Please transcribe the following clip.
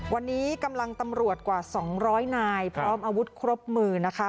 วันนี้กำลังตำรวจกว่า๒๐๐นายพร้อมอาวุธครบมือนะคะ